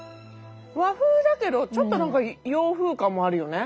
和風だけどちょっと何か洋風感もあるよね。